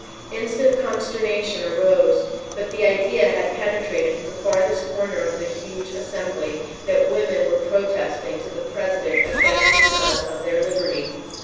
Instant consternation arose, but the idea had penetrated to the farthest corner of the huge assembly that women were protesting to the President against the denial of their liberty.